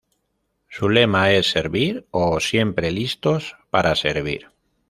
Su lema es "Servir" o "Siempre listos para servir".